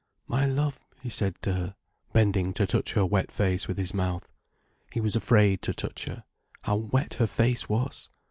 "My love," he said to her, bending to touch her wet face with his mouth. He was afraid to touch her. How wet her face was!